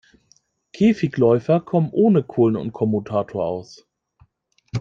Käfigläufer kommen ohne Kohlen und Kommutator aus.